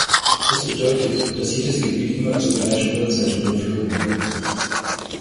Das bedeutet, dass jedes Gebiet immer zur gleichen Uhrzeit überflogen wird.